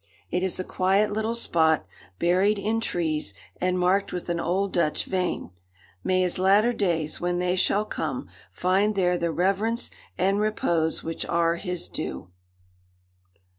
It is a quiet little spot, buried in trees, and marked with an old Dutch vane. May his latter days, when they shall come, find there the reverence and repose which are his due!